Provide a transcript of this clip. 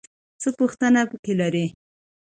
څه پوښتنه پکې لرې؟